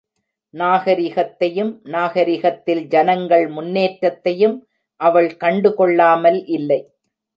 நாகரிகத்தையும், நாகரிகத்தில் ஜனங்கள் முன்னேற்றத்தையும் அவள் கண்டுகொள்ளாமல் இல்லை.